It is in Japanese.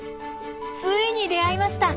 ついに出会いました！